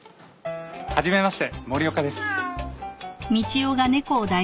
初めまして森岡です。